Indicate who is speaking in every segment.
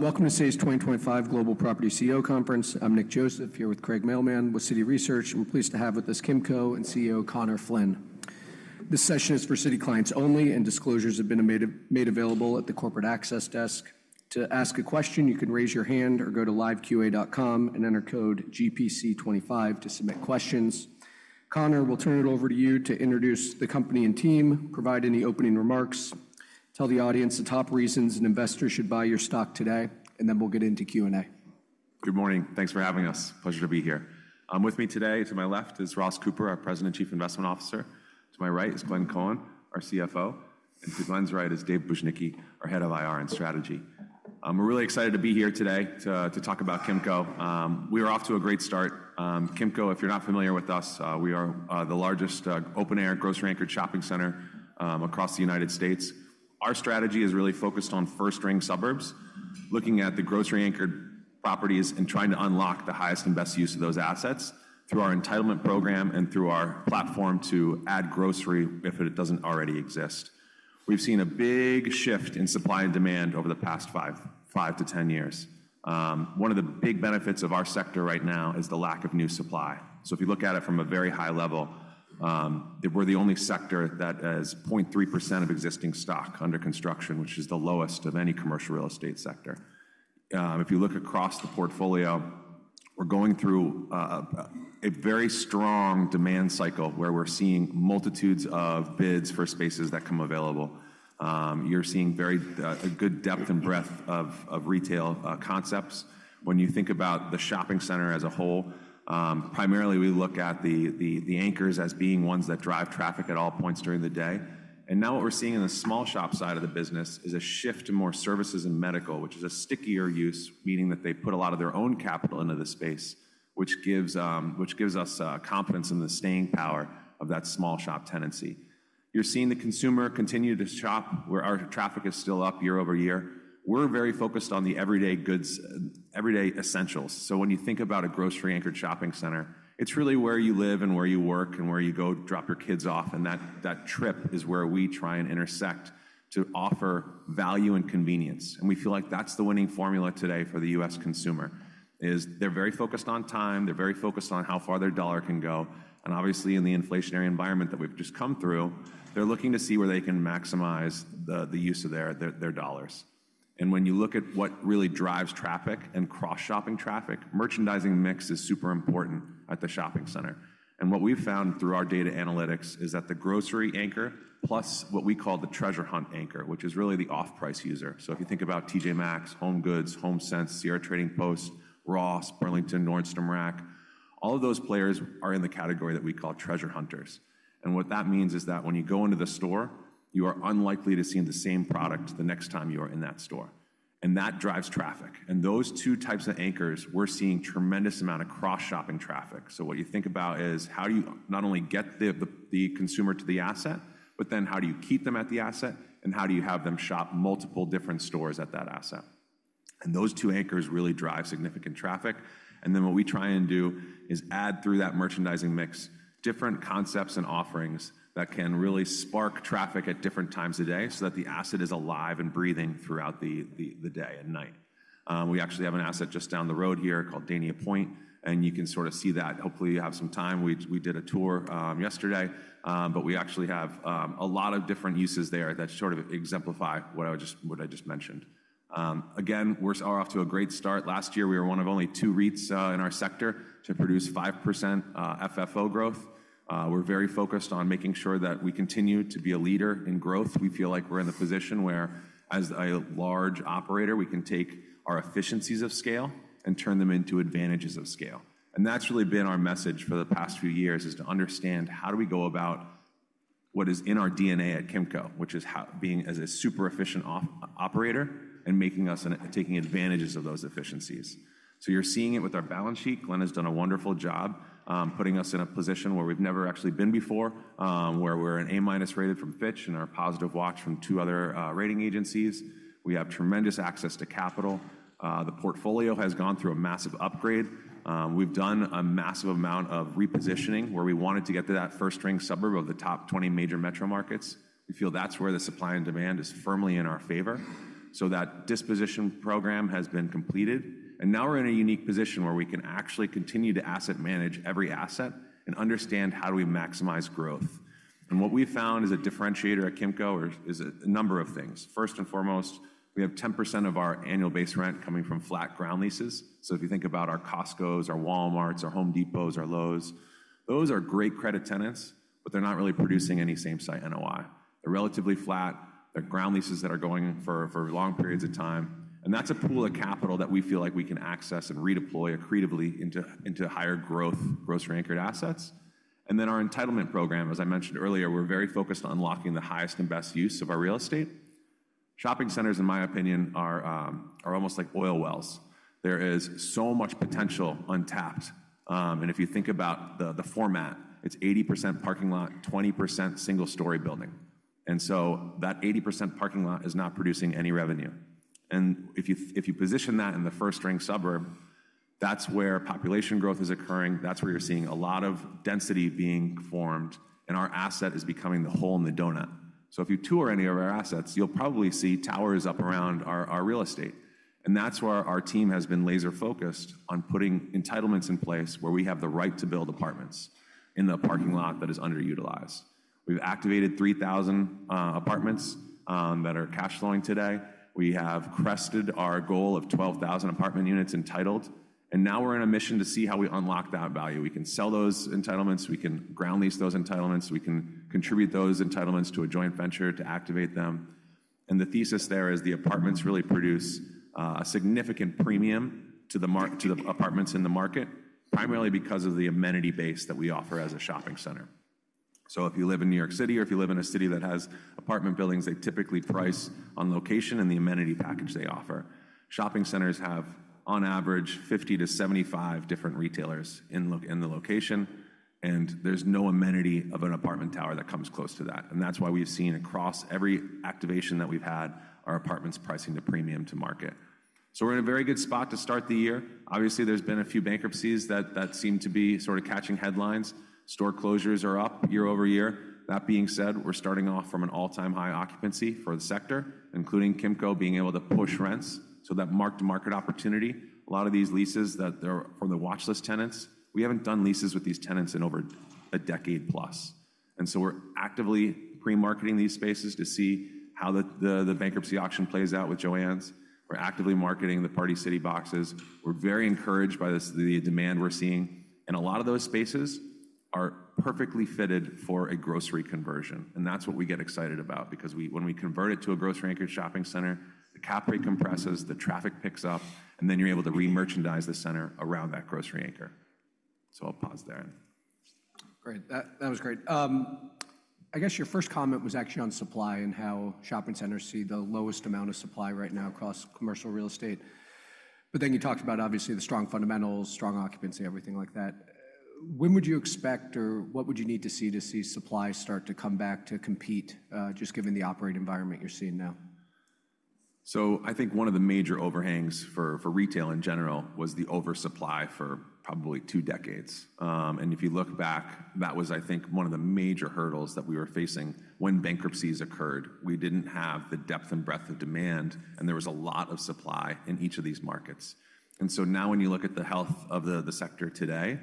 Speaker 1: Welcome to today's 2025 Global Property CEO Conference. I'm Nick Joseph, here with Craig Mailman with Citi Research. I'm pleased to have with us Kimco's CEO Conor Flynn. This session is for Citi clients only, and disclosures have been made available at the corporate access desk. To ask a question, you can raise your hand or go to liveqa.com and enter code GPC25 to submit questions. Conor, we'll turn it over to you to introduce the company and team, provide any opening remarks, tell the audience the top reasons an investor should buy your stock today, and then we'll get into Q&A.
Speaker 2: Good morning. Thanks for having us. Pleasure to be here. With me today, to my left is Ross Cooper, our President and Chief Investment Officer. To my right is Glenn Cohen, our CFO. And to Glenn's right is Dave Bujnicki, our Head of IR and Strategy. We're really excited to be here today to talk about Kimco. We are off to a great start. Kimco, if you're not familiar with us, we are the largest open-air grocery-anchored shopping center across the United States. Our strategy is really focused on first-ring suburbs, looking at the grocery-anchored properties and trying to unlock the highest and best use of those assets through our entitlement program and through our platform to add grocery if it doesn't already exist. We've seen a big shift in supply and demand over the past five to 10 years. One of the big benefits of our sector right now is the lack of new supply. So if you look at it from a very high level, we're the only sector that has 0.3% of existing stock under construction, which is the lowest of any commercial real estate sector. If you look across the portfolio, we're going through a very strong demand cycle where we're seeing multitudes of bids for spaces that come available. You're seeing a good depth and breadth of retail concepts. When you think about the shopping center as a whole, primarily we look at the anchors as being ones that drive traffic at all points during the day. And now what we're seeing in the small shop side of the business is a shift to more services and medical, which is a stickier use, meaning that they put a lot of their own capital into the space, which gives us confidence in the staying power of that small shop tendency. You're seeing the consumer continue to shop where our traffic is still up year over year. We're very focused on the everyday goods, everyday essentials. So when you think about a grocery-anchored shopping center, it's really where you live and where you work and where you go drop your kids off. And that trip is where we try and intersect to offer value and convenience. And we feel like that's the winning formula today for the U.S. consumer, is they're very focused on time. They're very focused on how far their dollar can go. And obviously, in the inflationary environment that we've just come through, they're looking to see where they can maximize the use of their dollars. And when you look at what really drives traffic and cross-shopping traffic, merchandising mix is super important at the shopping center. And what we've found through our data analytics is that the grocery anchor plus what we call the treasure hunt anchor, which is really the off-price user. So if you think about TJ Maxx, HomeGoods, HomeSense, Sierra Trading Post, Ross, Burlington, Nordstrom Rack, all of those players are in the category that we call treasure hunters. And what that means is that when you go into the store, you are unlikely to see the same product the next time you are in that store. And that drives traffic. And those two types of anchors, we're seeing a tremendous amount of cross-shopping traffic. So what you think about is how do you not only get the consumer to the asset, but then how do you keep them at the asset and how do you have them shop multiple different stores at that asset? And those two anchors really drive significant traffic. And then what we try and do is add through that merchandising mix different concepts and offerings that can really spark traffic at different times of day so that the asset is alive and breathing throughout the day and night. We actually have an asset just down the road here called Dania Pointe, and you can sort of see that. Hopefully, you have some time. We did a tour yesterday, but we actually have a lot of different uses there that sort of exemplify what I just mentioned. Again, we're off to a great start. Last year, we were one of only two REITs in our sector to produce 5% FFO growth. We're very focused on making sure that we continue to be a leader in growth. We feel like we're in the position where, as a large operator, we can take our efficiencies of scale and turn them into advantages of scale, and that's really been our message for the past few years, is to understand how do we go about what is in our DNA at Kimco, which is being a super efficient operator and taking advantages of those efficiencies, so you're seeing it with our balance sheet. Glenn has done a wonderful job putting us in a position where we've never actually been before, where we're an A-minus rated from Fitch and our positive watch from two other rating agencies. We have tremendous access to capital. The portfolio has gone through a massive upgrade. We've done a massive amount of repositioning where we wanted to get to that first-ring suburb of the top 20 major metro markets. We feel that's where the supply and demand is firmly in our favor. So that disposition program has been completed, and now we're in a unique position where we can actually continue to asset manage every asset and understand how do we maximize growth, and what we've found is a differentiator at Kimco is a number of things. First and foremost, we have 10% of our annual base rent coming from flat ground leases. So if you think about our Costcos, our Walmarts, our Home Depots, our Lowe's, those are great credit tenants, but they're not really producing any same-site NOI. They're relatively flat. They're ground leases that are going for long periods of time. And that's a pool of capital that we feel like we can access and redeploy accretively into higher growth, grocery-anchored assets. And then our entitlement program, as I mentioned earlier, we're very focused on unlocking the highest and best use of our real estate. Shopping centers, in my opinion, are almost like oil wells. There is so much potential untapped. And if you think about the format, it's 80% parking lot, 20% single-story building. And so that 80% parking lot is not producing any revenue. And if you position that in the first-ring suburb, that's where population growth is occurring. That's where you're seeing a lot of density being formed, and our asset is becoming the hole in the donut. So if you tour any of our assets, you'll probably see towers up around our real estate. That's where our team has been laser-focused on putting entitlements in place where we have the right to build apartments in the parking lot that is underutilized. We've activated 3,000 apartments that are cash-flowing today. We have crested our goal of 12,000 apartment units entitled. Now we're in a mission to see how we unlock that value. We can sell those entitlements. We can ground lease those entitlements. We can contribute those entitlements to a joint venture to activate them. The thesis there is the apartments really produce a significant premium to the apartments in the market, primarily because of the amenity base that we offer as a shopping center. If you live in New York City or if you live in a city that has apartment buildings, they typically price on location and the amenity package they offer. Shopping centers have, on average, 50-75 different retailers in the location, and there's no amenity of an apartment tower that comes close to that, and that's why we've seen across every activation that we've had, our apartments pricing the premium to market, so we're in a very good spot to start the year. Obviously, there's been a few bankruptcies that seem to be sort of catching headlines. Store closures are up year over year. That being said, we're starting off from an all-time high occupancy for the sector, including Kimco being able to push rents so that mark-to-market opportunity. A lot of these leases that are from the watchlist tenants, we haven't done leases with these tenants in over a decade plus, and so we're actively pre-marketing these spaces to see how the bankruptcy auction plays out with Joann's. We're actively marketing the Party City boxes. We're very encouraged by the demand we're seeing, and a lot of those spaces are perfectly fitted for a grocery conversion, and that's what we get excited about because when we convert it to a grocery-anchored shopping center, the cap rate compresses, the traffic picks up, and then you're able to re-merchandise the center around that grocery anchor, so I'll pause there.
Speaker 3: Great. That was great. I guess your first comment was actually on supply and how shopping centers see the lowest amount of supply right now across commercial real estate. But then you talked about, obviously, the strong fundamentals, strong occupancy, everything like that. When would you expect or what would you need to see to see supply start to come back to compete, just given the operating environment you're seeing now?
Speaker 2: I think one of the major overhangs for retail in general was the oversupply for probably two decades. And if you look back, that was, I think, one of the major hurdles that we were facing when bankruptcies occurred. We didn't have the depth and breadth of demand, and there was a lot of supply in each of these markets. And so now when you look at the health of the sector today,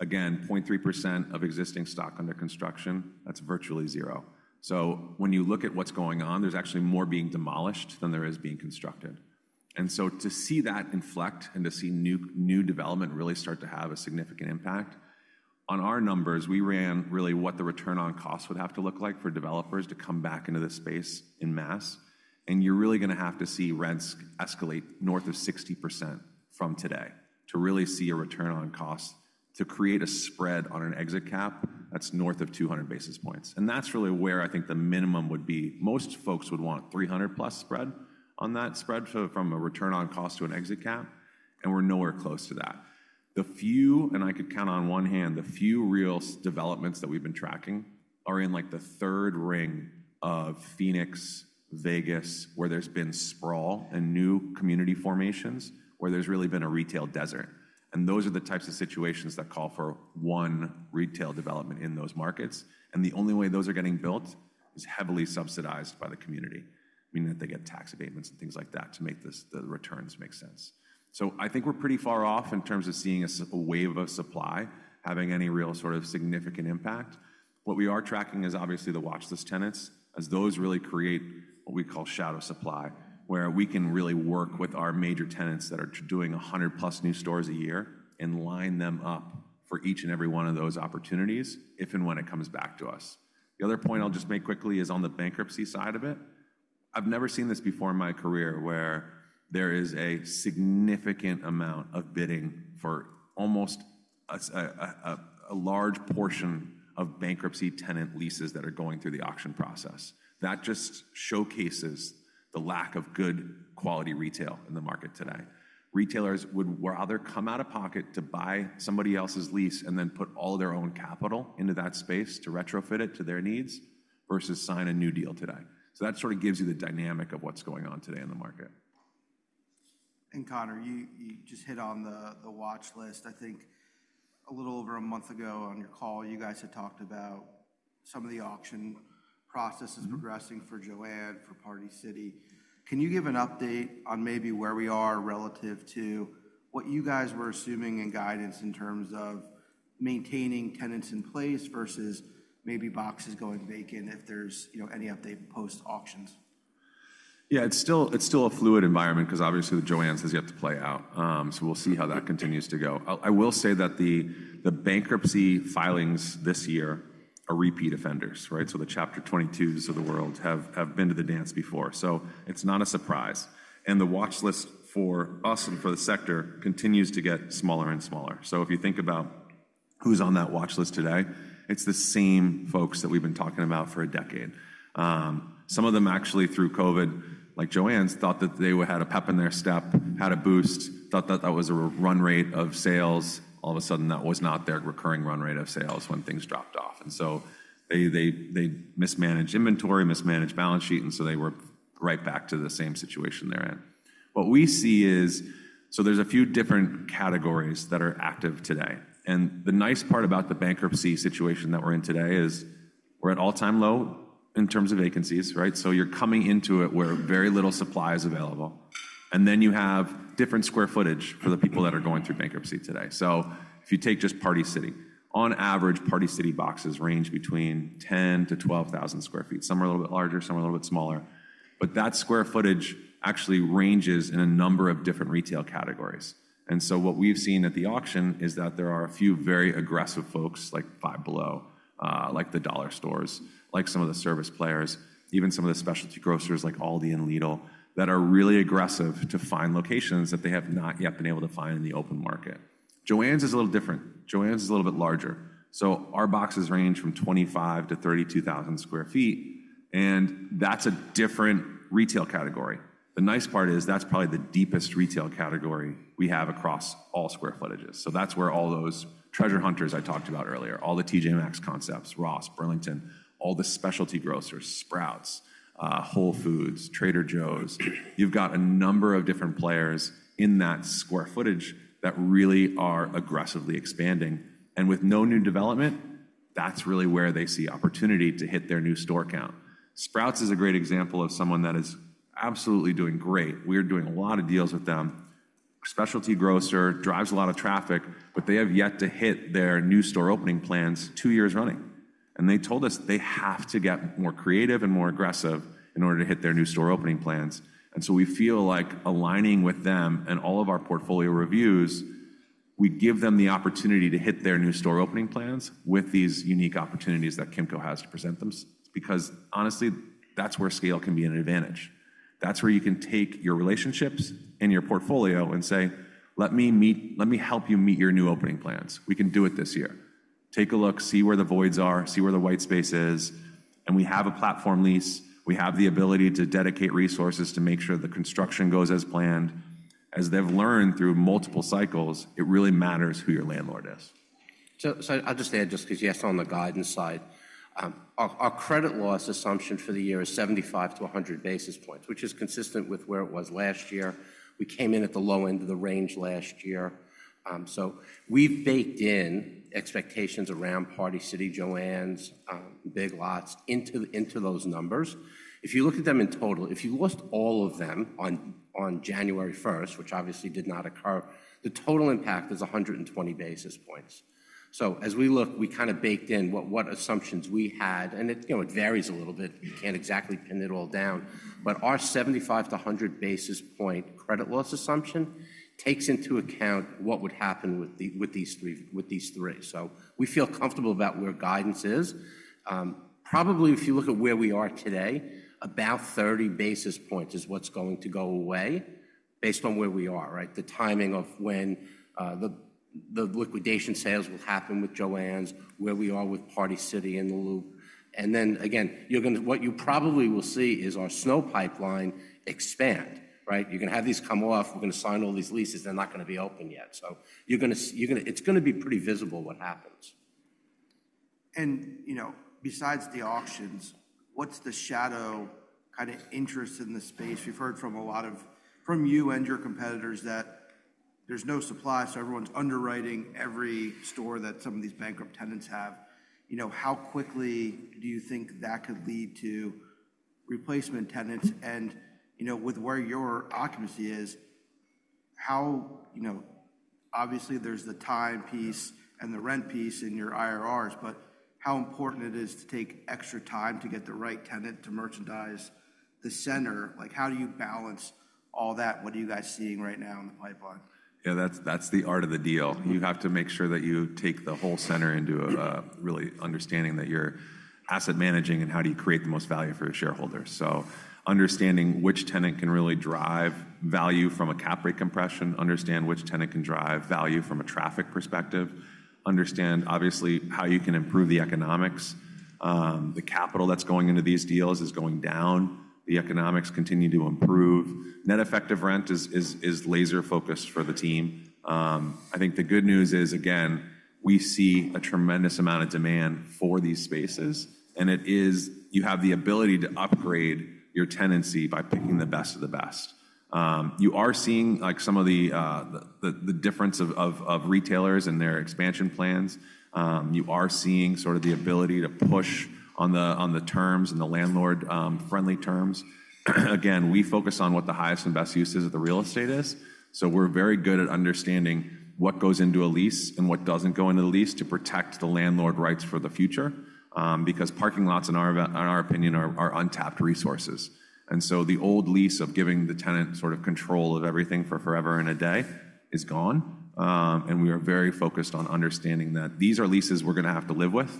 Speaker 2: again, 0.3% of existing stock under construction, that's virtually zero. So when you look at what's going on, there's actually more being demolished than there is being constructed. And so to see that inflect and to see new development really start to have a significant impact on our numbers, we ran really what the return on cost would have to look like for developers to come back into this space en masse. You're really going to have to see rents escalate north of 60% from today to really see a return on cost to create a spread on an exit cap that's north of 200 basis points. That's really where I think the minimum would be. Most folks would want 300-plus spread on that spread from a return on cost to an exit cap. We're nowhere close to that. The few, and I could count on one hand, the few real developments that we've been tracking are in like the third ring of Phoenix, Vegas, where there's been sprawl and new community formations where there's really been a retail desert. Those are the types of situations that call for one retail development in those markets. The only way those are getting built is heavily subsidized by the community, meaning that they get tax abatements and things like that to make the returns make sense. So I think we're pretty far off in terms of seeing a wave of supply having any real sort of significant impact. What we are tracking is obviously the watchlist tenants, as those really create what we call shadow supply, where we can really work with our major tenants that are doing 100-plus new stores a year and line them up for each and every one of those opportunities if and when it comes back to us. The other point I'll just make quickly is on the bankruptcy side of it. I've never seen this before in my career where there is a significant amount of bidding for almost a large portion of bankruptcy tenant leases that are going through the auction process. That just showcases the lack of good quality retail in the market today. Retailers would rather come out of pocket to buy somebody else's lease and then put all their own capital into that space to retrofit it to their needs versus sign a new deal today. So that sort of gives you the dynamic of what's going on today in the market.
Speaker 3: Conor, you just hit on the watch list. I think a little over a month ago on your call, you guys had talked about some of the auction processes progressing for Joann, for Party City. Can you give an update on maybe where we are relative to what you guys were assuming in guidance in terms of maintaining tenants in place versus maybe boxes going vacant if there's any update post-auctions?
Speaker 2: Yeah, it's still a fluid environment because obviously the Joann's has yet to play out, so we'll see how that continues to go. I will say that the bankruptcy filings this year are repeat offenders, right, so the Chapter 22s of the world have been to the dance before, so it's not a surprise, and the watch list for us and for the sector continues to get smaller and smaller, so if you think about who's on that watch list today, it's the same folks that we've been talking about for a decade. Some of them actually through COVID, like Joann's, thought that they had a pep in their step, had a boost, thought that that was a run rate of sales. All of a sudden, that was not their recurring run rate of sales when things dropped off. And so they mismanaged inventory, mismanaged balance sheet, and so they were right back to the same situation they're in. What we see is, so there's a few different categories that are active today. And the nice part about the bankruptcy situation that we're in today is we're at all-time low in terms of vacancies, right? So you're coming into it where very little supply is available. And then you have different square footage for the people that are going through bankruptcy today. So if you take just Party City, on average, Party City boxes range between 10,000-12,000 sq ft. Some are a little bit larger, some are a little bit smaller. But that square footage actually ranges in a number of different retail categories. What we've seen at the auction is that there are a few very aggressive folks like Five Below, like the dollar stores, like some of the service players, even some of the specialty grocers like Aldi and Lidl that are really aggressive to find locations that they have not yet been able to find in the open market. Joann's is a little different. Joann's is a little bit larger. Our boxes range from 25,000-32,000 sq ft. That's a different retail category. The nice part is that's probably the deepest retail category we have across all square footages. That's where all those treasure hunters I talked about earlier, all the TJ Maxx concepts, Ross, Burlington, all the specialty grocers, Sprouts, Whole Foods, Trader Joe's. You've got a number of different players in that square footage that really are aggressively expanding. And with no new development, that's really where they see opportunity to hit their new store count. Sprouts is a great example of someone that is absolutely doing great. We're doing a lot of deals with them. Specialty grocer drives a lot of traffic, but they have yet to hit their new store opening plans two years running. And they told us they have to get more creative and more aggressive in order to hit their new store opening plans. And so we feel like aligning with them and all of our portfolio reviews, we give them the opportunity to hit their new store opening plans with these unique opportunities that Kimco has to present them because honestly, that's where scale can be an advantage. That's where you can take your relationships and your portfolio and say, "Let me help you meet your new opening plans. We can do it this year. Take a look, see where the voids are, see where the white space is. And we have a platform lease. We have the ability to dedicate resources to make sure the construction goes as planned. As they've learned through multiple cycles, it really matters who your landlord is.
Speaker 3: So I'll just add because you asked on the guidance side, our credit loss assumption for the year is 75-100 basis points, which is consistent with where it was last year. We came in at the low end of the range last year. So we've baked in expectations around Party City, Joann's, Big Lots into those numbers. If you look at them in total, if you lost all of them on January 1st, which obviously did not occur, the total impact is 120 basis points. So as we look, we kind of baked in what assumptions we had. And it varies a little bit. You can't exactly pin it all down. But our 75-100 basis point credit loss assumption takes into account what would happen with these three. So we feel comfortable about where guidance is. Probably if you look at where we are today, about 30 basis points is what's going to go away based on where we are, right? The timing of when the liquidation sales will happen with Joann's, where we are with Party City in the loop. And then again, what you probably will see is our shadow pipeline expand, right? You're going to have these come off. We're going to sign all these leases. They're not going to be open yet. So it's going to be pretty visible what happens. And besides the auctions, what's the shadow kind of interest in the space? We've heard from a lot of, from you and your competitors that there's no supply, so everyone's underwriting every store that some of these bankrupt tenants have. How quickly do you think that could lead to replacement tenants? And with where your occupancy is, obviously there's the time piece and the rent piece in your IRRs, but how important it is to take extra time to get the right tenant to merchandise the center? How do you balance all that? What are you guys seeing right now in the pipeline?
Speaker 2: Yeah, that's the art of the deal. You have to make sure that you take the whole center into really understanding that you're asset managing and how do you create the most value for your shareholders. So understanding which tenant can really drive value from a cap rate compression, understand which tenant can drive value from a traffic perspective, understand obviously how you can improve the economics. The capital that's going into these deals is going down. The economics continue to improve. Net effective rent is laser-focused for the team. I think the good news is, again, we see a tremendous amount of demand for these spaces. And you have the ability to upgrade your tenancy by picking the best of the best. You are seeing some of the difference of retailers and their expansion plans. You are seeing sort of the ability to push on the terms and the landlord-friendly terms. Again, we focus on what the highest and best use is of the real estate, so we're very good at understanding what goes into a lease and what doesn't go into the lease to protect the landlord rights for the future because parking lots, in our opinion, are untapped resources, and so the old lease of giving the tenant sort of control of everything for forever and a day is gone, and we are very focused on understanding that these are leases we're going to have to live with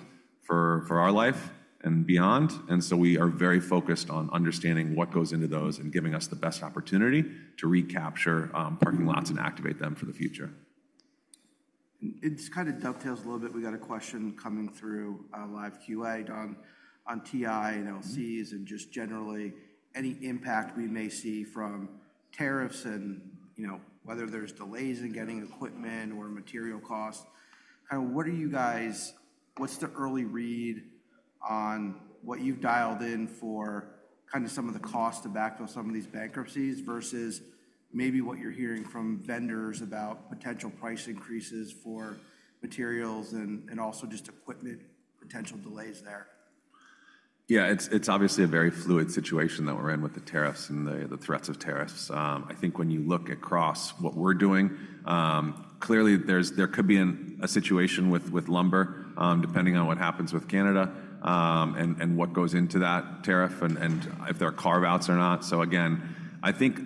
Speaker 2: for our life and beyond, and so we are very focused on understanding what goes into those and giving us the best opportunity to recapture parking lots and activate them for the future.
Speaker 3: It kind of dovetails a little bit. We got a question coming through a live Q&A on TI and LCs and just generally any impact we may see from tariffs and whether there's delays in getting equipment or material costs. Kind of what are you guys, what's the early read on what you've dialed in for kind of some of the cost to backfill some of these bankruptcies versus maybe what you're hearing from vendors about potential price increases for materials and also just equipment potential delays there?
Speaker 2: Yeah, it's obviously a very fluid situation that we're in with the tariffs and the threats of tariffs. I think when you look across what we're doing, clearly there could be a situation with lumber depending on what happens with Canada and what goes into that tariff and if there are carve-outs or not. So again, I think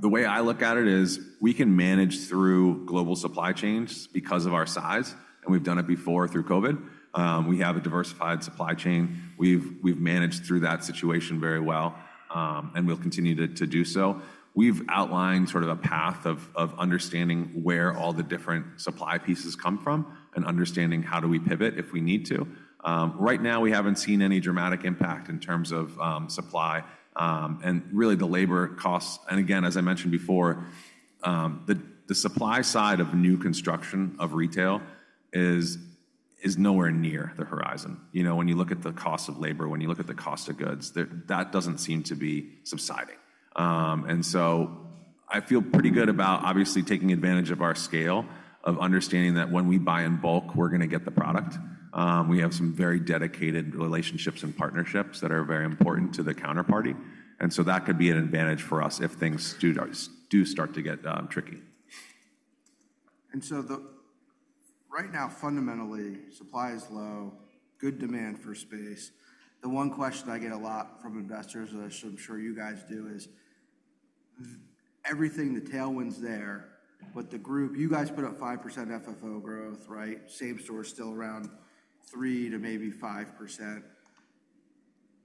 Speaker 2: the way I look at it is we can manage through global supply chains because of our size. And we've done it before through COVID. We have a diversified supply chain. We've managed through that situation very well. And we'll continue to do so. We've outlined sort of a path of understanding where all the different supply pieces come from and understanding how do we pivot if we need to. Right now, we haven't seen any dramatic impact in terms of supply and really the labor costs. Again, as I mentioned before, the supply side of new construction of retail is nowhere near the horizon. When you look at the cost of labor, when you look at the cost of goods, that doesn't seem to be subsiding. I feel pretty good about obviously taking advantage of our scale of understanding that when we buy in bulk, we're going to get the product. We have some very dedicated relationships and partnerships that are very important to the counterparty. That could be an advantage for us if things do start to get tricky.
Speaker 3: And so right now, fundamentally, supply is low, good demand for space. The one question I get a lot from investors, which I'm sure you guys do, is everything, the tailwinds there, but the group, you guys put up 5% FFO growth, right? Same store still around 3% to maybe 5%.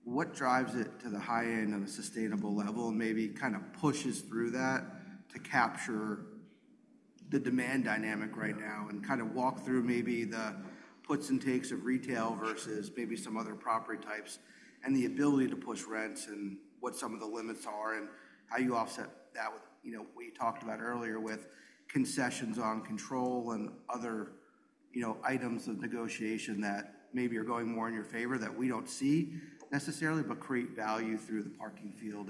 Speaker 3: What drives it to the high end on a sustainable level and maybe kind of pushes through that to capture the demand dynamic right now and kind of walk through maybe the puts and takes of retail versus maybe some other property types and the ability to push rents and what some of the limits are and how you offset that with what you talked about earlier with concessions on control and other items of negotiation that maybe are going more in your favor that we don't see necessarily, but create value through the parking field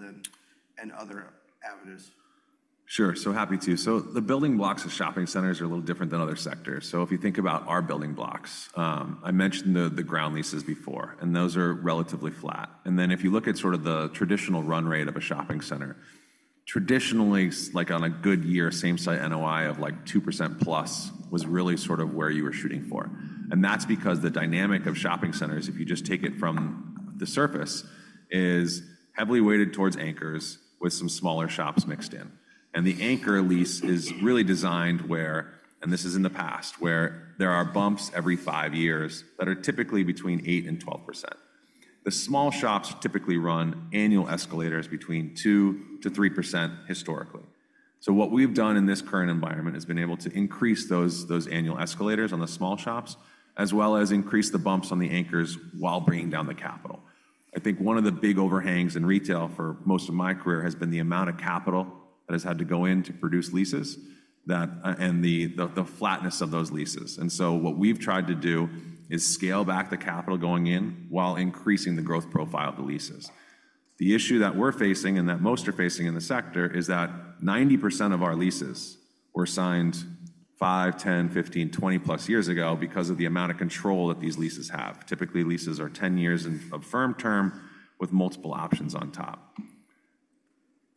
Speaker 3: and other avenues?
Speaker 2: Sure. So happy to. So the building blocks of shopping centers are a little different than other sectors. So if you think about our building blocks, I mentioned the ground leases before, and those are relatively flat. And then if you look at sort of the traditional run rate of a shopping center, traditionally, like on a good year, same-site NOI of like 2% plus was really sort of where you were shooting for. And that's because the dynamic of shopping centers, if you just take it from the surface, is heavily weighted towards anchors with some smaller shops mixed in. And the anchor lease is really designed where, and this is in the past, where there are bumps every five years that are typically between 8 and 12%. The small shops typically run annual escalators between 2 to 3% historically. So what we've done in this current environment has been able to increase those annual escalators on the small shops, as well as increase the bumps on the anchors while bringing down the capital. I think one of the big overhangs in retail for most of my career has been the amount of capital that has had to go in to produce leases and the flatness of those leases. And so what we've tried to do is scale back the capital going in while increasing the growth profile of the leases. The issue that we're facing and that most are facing in the sector is that 90% of our leases were signed 5, 10, 15, 20 plus years ago because of the amount of control that these leases have. Typically, leases are 10 years of firm term with multiple options on top.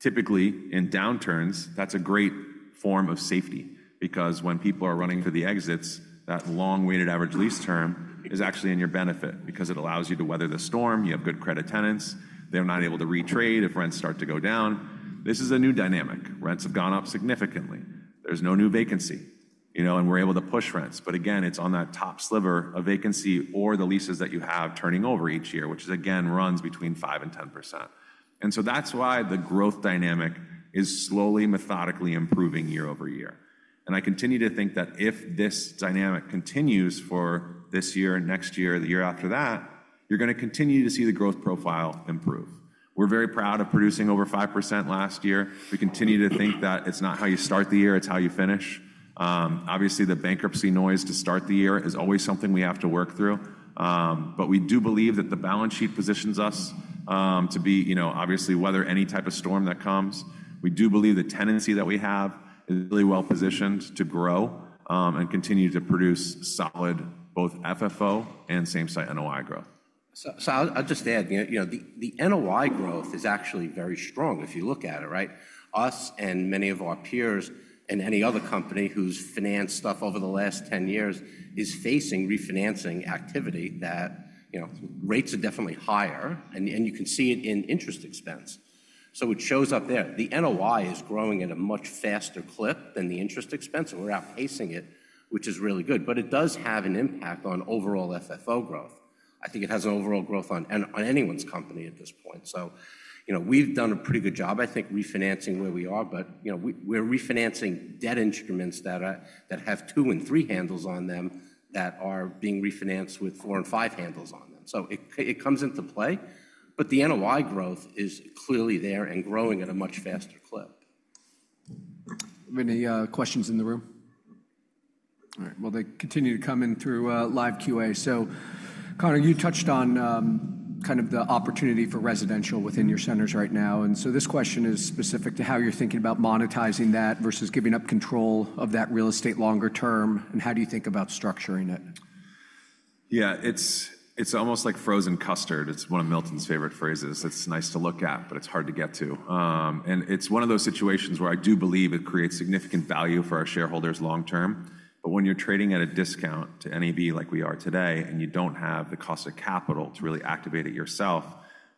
Speaker 2: Typically, in downturns, that's a great form of safety because when people are running for the exits, that long weighted average lease term is actually in your benefit because it allows you to weather the storm. You have good credit tenants. They're not able to retrade if rents start to go down. This is a new dynamic. Rents have gone up significantly. There's no new vacancy. And we're able to push rents. But again, it's on that top sliver of vacancy or the leases that you have turning over each year, which is again, runs between 5% and 10%. And so that's why the growth dynamic is slowly, methodically improving year over year. And I continue to think that if this dynamic continues for this year, next year, the year after that, you're going to continue to see the growth profile improve. We're very proud of producing over 5% last year. We continue to think that it's not how you start the year, it's how you finish. Obviously, the bankruptcy noise to start the year is always something we have to work through. But we do believe that the balance sheet positions us to obviously weather any type of storm that comes. We do believe the tenancy that we have is really well positioned to grow and continue to produce solid both FFO and same-site NOI growth.
Speaker 3: So I'll just add, the NOI growth is actually very strong if you look at it, right? Us and many of our peers and any other company who's financed stuff over the last 10 years is facing refinancing activity that rates are definitely higher. And you can see it in interest expense. So it shows up there. The NOI is growing at a much faster clip than the interest expense. And we're outpacing it, which is really good. But it does have an impact on overall FFO growth. I think it has an overall growth on anyone's company at this point. So we've done a pretty good job, I think, refinancing where we are. But we're refinancing debt instruments that have two and three handles on them that are being refinanced with four and five handles on them. So it comes into play. But the NOI growth is clearly there and growing at a much faster clip.
Speaker 1: Any questions in the room? All right. Well, they continue to come in through live QA. So Conor, you touched on kind of the opportunity for residential within your centers right now. And so this question is specific to how you're thinking about monetizing that versus giving up control of that real estate longer term. And how do you think about structuring it?
Speaker 2: Yeah, it's almost like frozen custard. It's one of Milton's favorite phrases. It's nice to look at, but it's hard to get to. And it's one of those situations where I do believe it creates significant value for our shareholders long term. But when you're trading at a discount to NEB like we are today and you don't have the cost of capital to really activate it yourself,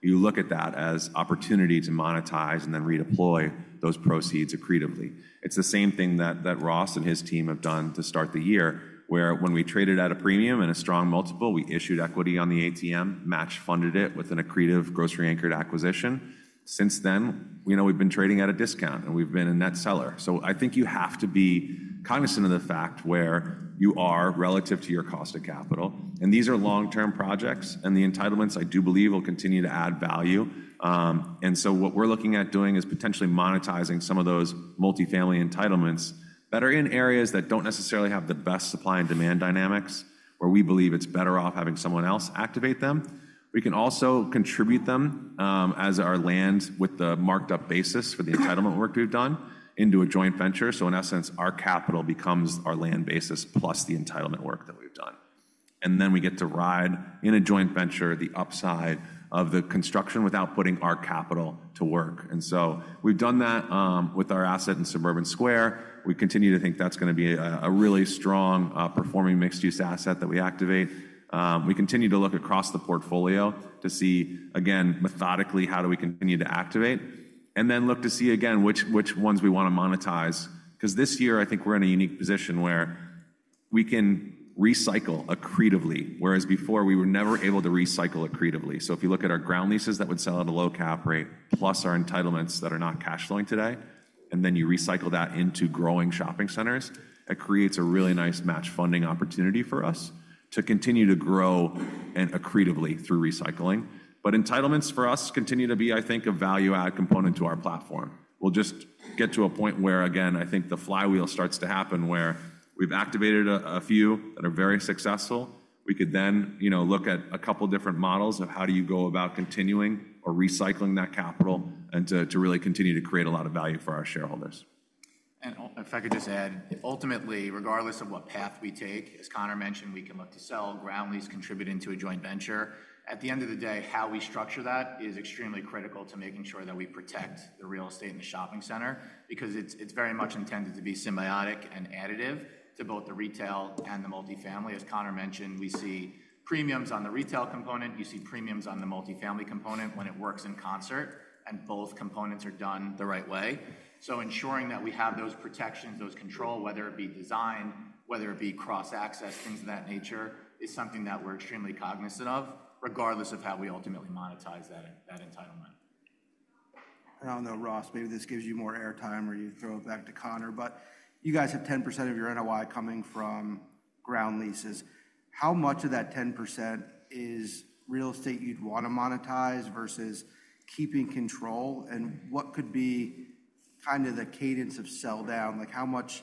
Speaker 2: you look at that as opportunity to monetize and then redeploy those proceeds accretively. It's the same thing that Ross and his team have done to start the year where, when we traded at a premium and a strong multiple, we issued equity on the ATM, match funded it with an accretive grocery anchored acquisition. Since then, we've been trading at a discount and we've been a net seller. So I think you have to be cognizant of the fact where you are relative to your cost of capital. And these are long-term projects. And the entitlements, I do believe, will continue to add value. And so what we're looking at doing is potentially monetizing some of those multifamily entitlements that are in areas that don't necessarily have the best supply and demand dynamics where we believe it's better off having someone else activate them. We can also contribute them as our land with the marked-up basis for the entitlement work we've done into a joint venture. So in essence, our capital becomes our land basis plus the entitlement work that we've done. And then we get to ride in a joint venture the upside of the construction without putting our capital to work. And so we've done that with our asset in Suburban Square. We continue to think that's going to be a really strong performing mixed-use asset that we activate. We continue to look across the portfolio to see, again, methodically how do we continue to activate and then look to see again which ones we want to monetize. Because this year, I think we're in a unique position where we can recycle accretively, whereas before we were never able to recycle accretively. So if you look at our ground leases that would sell at a low cap rate plus our entitlements that are not cash flowing today, and then you recycle that into growing shopping centers, it creates a really nice match funding opportunity for us to continue to grow accretively through recycling. But entitlements for us continue to be, I think, a value-add component to our platform. We'll just get to a point where, again, I think the flywheel starts to happen where we've activated a few that are very successful. We could then look at a couple of different models of how do you go about continuing or recycling that capital and to really continue to create a lot of value for our shareholders.
Speaker 4: If I could just add, ultimately, regardless of what path we take, as Conor mentioned, we can look to sell, ground lease, contribute into a joint venture. At the end of the day, how we structure that is extremely critical to making sure that we protect the real estate in the shopping center because it's very much intended to be symbiotic and additive to both the retail and the multifamily. As Conor mentioned, we see premiums on the retail component. You see premiums on the multifamily component when it works in concert and both components are done the right way. Ensuring that we have those protections, those controls, whether it be design, whether it be cross-access, things of that nature is something that we're extremely cognizant of regardless of how we ultimately monetize that entitlement.
Speaker 1: I don't know, Ross, maybe this gives you more airtime or you throw it back to Conor, but you guys have 10% of your NOI coming from ground leases. How much of that 10% is real estate you'd want to monetize versus keeping control, and what could be kind of the cadence of sell down? Like how much,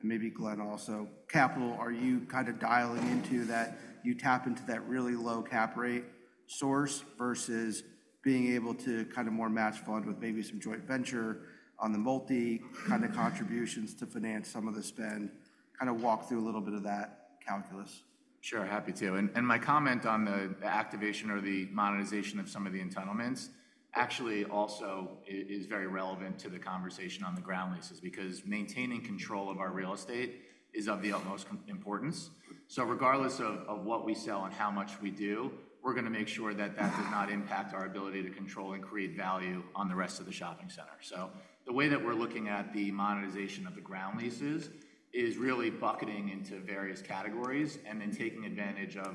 Speaker 1: and maybe Glenn also, capital are you kind of dialing into that you tap into that really low cap rate source versus being able to kind of more match fund with maybe some joint venture on the multi kind of contributions to finance some of the spend? Kind of walk through a little bit of that calculus.
Speaker 4: Sure, happy to. And my comment on the activation or the monetization of some of the entitlements actually also is very relevant to the conversation on the ground leases because maintaining control of our real estate is of the utmost importance. So regardless of what we sell and how much we do, we're going to make sure that that does not impact our ability to control and create value on the rest of the shopping center. So the way that we're looking at the monetization of the ground leases is really bucketing into various categories and then taking advantage of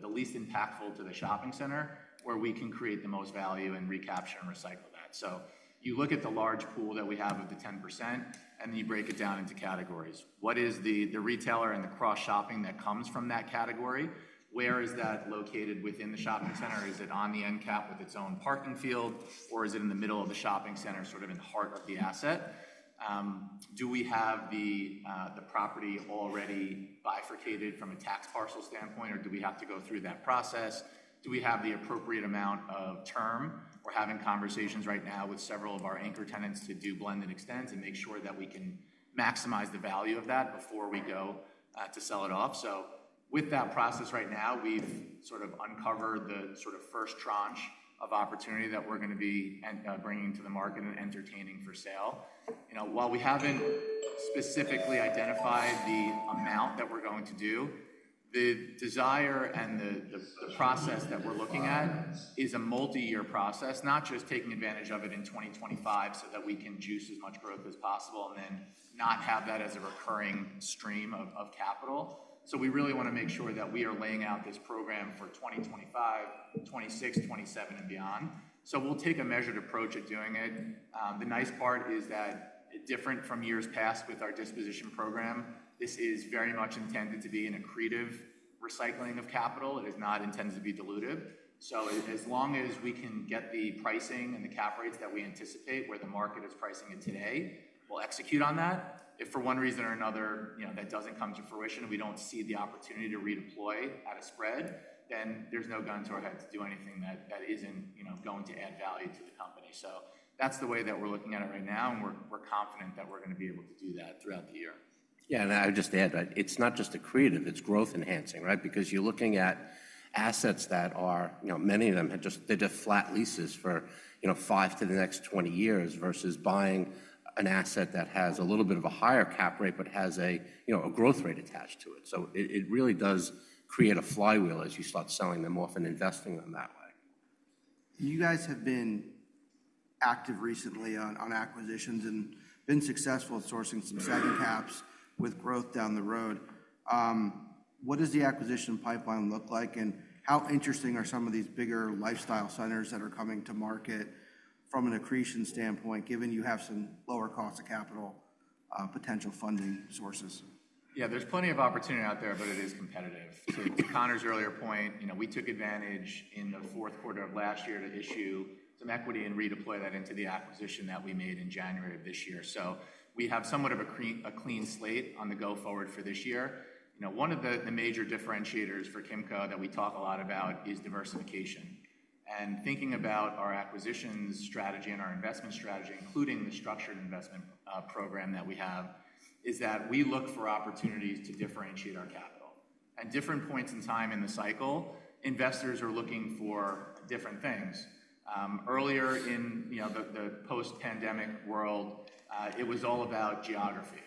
Speaker 4: the least impactful to the shopping center where we can create the most value and recapture and recycle that. So you look at the large pool that we have of the 10% and then you break it down into categories. What is the retailer and the cross-shopping that comes from that category? Where is that located within the shopping center? Is it on the end cap with its own parking field, or is it in the middle of the shopping center, sort of in the heart of the asset? Do we have the property already bifurcated from a tax parcel standpoint, or do we have to go through that process? Do we have the appropriate amount of term? We're having conversations right now with several of our anchor tenants to do blended extends and make sure that we can maximize the value of that before we go to sell it off, so with that process right now, we've sort of uncovered the sort of first tranche of opportunity that we're going to be bringing to the market and entertaining for sale. While we haven't specifically identified the amount that we're going to do, the desire and the process that we're looking at is a multi-year process, not just taking advantage of it in 2025 so that we can juice as much growth as possible and then not have that as a recurring stream of capital. So we really want to make sure that we are laying out this program for 2025, 2026, 2027, and beyond. So we'll take a measured approach at doing it. The nice part is that different from years past with our disposition program, this is very much intended to be an accretive recycling of capital. It is not intended to be dilutive. So as long as we can get the pricing and the cap rates that we anticipate where the market is pricing it today, we'll execute on that. If for one reason or another that doesn't come to fruition, we don't see the opportunity to redeploy at a spread, then there's no gun to our head to do anything that isn't going to add value to the company, so that's the way that we're looking at it right now, and we're confident that we're going to be able to do that throughout the year.
Speaker 3: Yeah, and I would just add, it's not just accretive. It's growth enhancing, right? Because you're looking at assets that, many of them, had flat leases for five to the next 20 years versus buying an asset that has a little bit of a higher cap rate, but has a growth rate attached to it. So it really does create a flywheel as you start selling them off and investing them that way.
Speaker 1: You guys have been active recently on acquisitions and been successful at sourcing some second caps with growth down the road. What does the acquisition pipeline look like? And how interesting are some of these bigger lifestyle centers that are coming to market from an accretion standpoint, given you have some lower cost of capital potential funding sources?
Speaker 4: Yeah, there's plenty of opportunity out there, but it is competitive. To Conor's earlier point, we took advantage in the fourth quarter of last year to issue some equity and redeploy that into the acquisition that we made in January of this year. So we have somewhat of a clean slate on the go forward for this year. One of the major differentiators for Kimco that we talk a lot about is diversification. And thinking about our acquisition strategy and our investment strategy, including the structured investment program that we have, is that we look for opportunities to differentiate our capital. At different points in time in the cycle, investors are looking for different things. Earlier in the post-pandemic world, it was all about geography.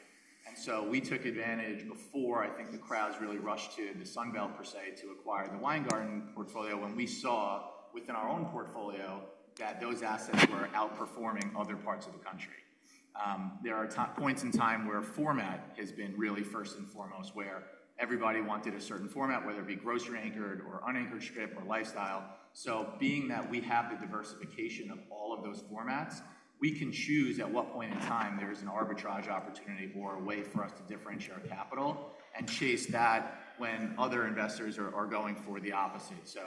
Speaker 4: And so we took advantage before, I think the crowds really rushed to the Sunbelt per se to acquire the Weingarten portfolio when we saw within our own portfolio that those assets were outperforming other parts of the country. There are points in time where format has been really first and foremost where everybody wanted a certain format, whether it be grocery anchored or unanchored strip or lifestyle. So being that we have the diversification of all of those formats, we can choose at what point in time there is an arbitrage opportunity or a way for us to differentiate our capital and chase that when other investors are going for the opposite. So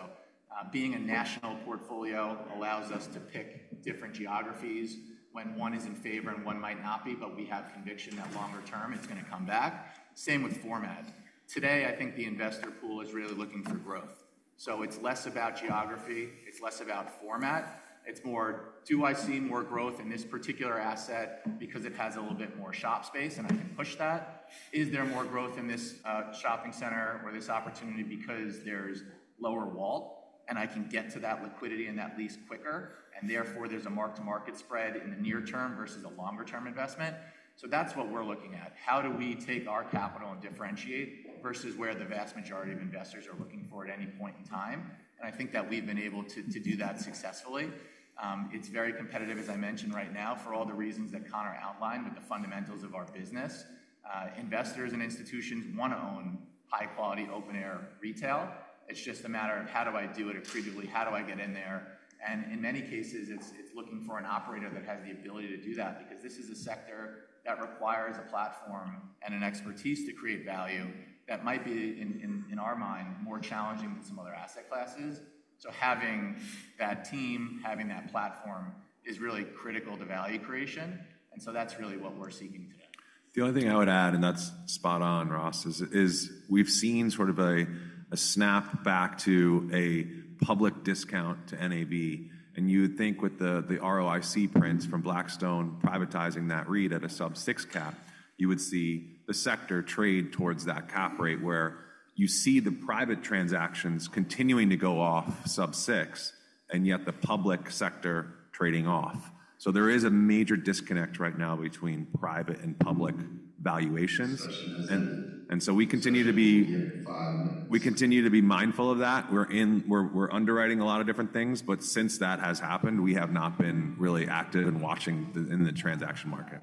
Speaker 4: being a national portfolio allows us to pick different geographies when one is in favor and one might not be, but we have conviction that longer term it's going to come back. Same with format. Today, I think the investor pool is really looking for growth. So it's less about geography. It's less about format. It's more, do I see more growth in this particular asset because it has a little bit more shop space and I can push that? Is there more growth in this shopping center or this opportunity because there's lower WAL and I can get to that liquidity and that lease quicker? And therefore, there's a mark-to-market spread in the near term versus a longer-term investment. So that's what we're looking at. How do we take our capital and differentiate versus where the vast majority of investors are looking for at any point in time? And I think that we've been able to do that successfully. It's very competitive, as I mentioned right now, for all the reasons that Conor outlined with the fundamentals of our business. Investors and institutions want to own high-quality open-air retail. It's just a matter of how do I do it accretively, how do I get in there? And in many cases, it's looking for an operator that has the ability to do that because this is a sector that requires a platform and an expertise to create value that might be, in our mind, more challenging than some other asset classes. So having that team, having that platform is really critical to value creation. And so that's really what we're seeking today.
Speaker 2: The only thing I would add, and that's spot on, Ross, is we've seen sort of a snap back to a public discount to NAV, and you would think with the ROIC prints from Blackstone privatizing that REIT at a sub-6 cap, you would see the sector trade towards that cap rate where you see the private transactions continuing to go off sub-6 and yet the public sector trading off, so there is a major disconnect right now between private and public valuations, and so we continue to be mindful of that. We're underwriting a lot of different things, but since that has happened, we have not been really active and watching in the transaction market.